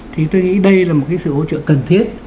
thì tôi nghĩ đây là một cái sự hỗ trợ cần thiết